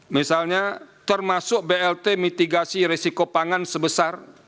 misalnya termasuk blt mitigasi resiko pangan sebesar